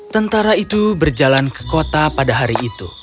tentara itu berjalan ke kota pada hari itu